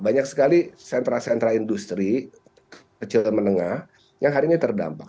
banyak sekali sentra sentra industri kecil dan menengah yang hari ini terdampak